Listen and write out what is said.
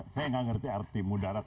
saya nggak ngerti arti mudarat